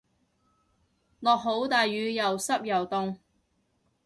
落好大雨又濕又凍